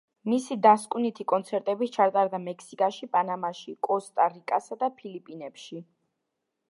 მისი დასკვნითი კონცერტები ჩატარდა მექსიკაში, პანამაში, კოსტა-რიკასა და ფილიპინებში.